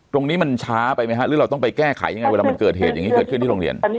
ตรงนี้มันช้าไปไหมฮะหรือเราต้องไปแก้ไขยังไงเวลามันเกิดเหตุอย่างนี้เกิดขึ้นที่โรงเรียน